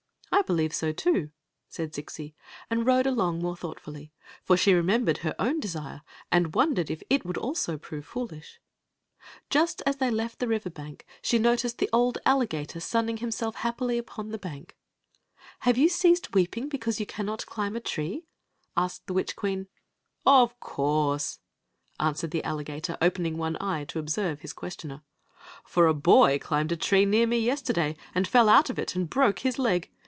" I believe so, too," said Zixi, and rode along more thoughtfully; for she remembered her own desire, and wondered if it would also prove foolish. Just as they left the river bank she noticed the Story of the Magic Cloak 'or coMts,' iMiiiiMB ma mimwt—, hmkom an* wm to mmm ma qummmmm ." old alligator sunning himself happily upon the bank. "Have yiHi ceased weeping beouise you caimet climb a tree? asked the wifch queen. " Of cojirse," answered the alligator, opening one eye to observe his questioner. " For a boy climbed a tree near me yesterday and fell out of it and broke his leg.